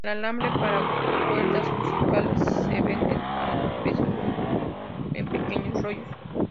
El alambre para cuerdas musicales se vende al peso en pequeños rollos.